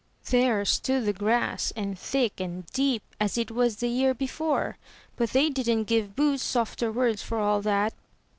There stood the grass and thick and deep, as it was the year before; but they didn't give Boots softer words for all that.